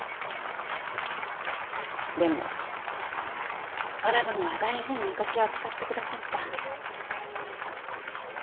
でも和田殿は大事に私を扱ってくださった。